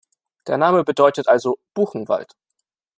Der Name bedeutet also Buchenwald.